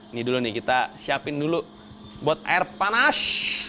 ini dulu nih kita siapkan dulu untuk air panas